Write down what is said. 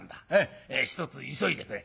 ひとつ急いでくれ」。